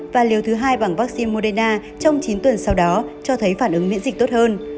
và liều thứ hai bằng vaccine moderna trong chín tuần sau đó cho thấy phản ứng miễn dịch tốt hơn